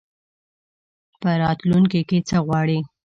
په راتلونکي کي څه غواړې ؟